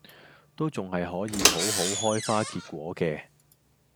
都仲係可以好好開花結果嘅